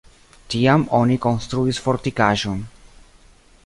Tiam oni konstruis fortikaĵon.